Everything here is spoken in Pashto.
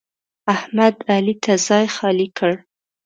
احمد؛ علي ته ځای خالي کړ.